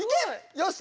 よし！